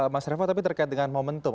mas revo tapi terkait dengan momentum